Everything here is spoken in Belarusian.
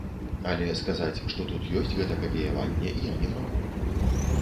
Але сказаць, што тут ёсць гэта капіяванне я не магу.